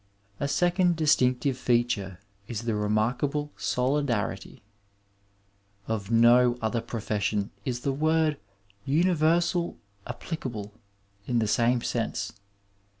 A second distinctive feature is the remarkMe sdidarity. Of no other profession is the word universal applicable in the same sense.